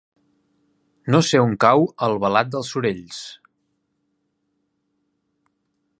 No sé on cau Albalat dels Sorells.